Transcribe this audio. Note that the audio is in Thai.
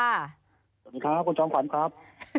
สวัสดีครับคุณจอมขวัญครับ